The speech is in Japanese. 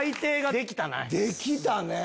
できたね。